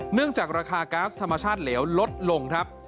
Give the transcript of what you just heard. เนื่องจากราคาก๊าซธรรมชาติเหลวลดลงครับ